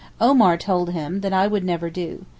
Omar told him that would never do.